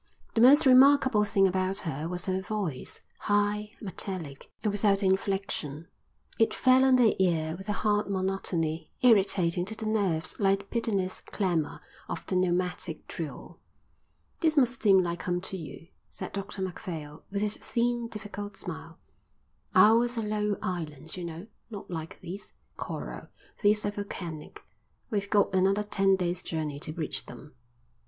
The most remarkable thing about her was her voice, high, metallic, and without inflection; it fell on the ear with a hard monotony, irritating to the nerves like the pitiless clamour of the pneumatic drill. "This must seem like home to you," said Dr Macphail, with his thin, difficult smile. "Ours are low islands, you know, not like these. Coral. These are volcanic. We've got another ten days' journey to reach them."